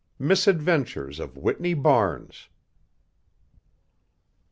MISADVENTURES OF WHITNEY BARNES.